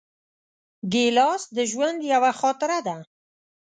ګیلاس د ژوند یوه خاطره ده.